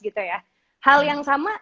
gitu ya hal yang sama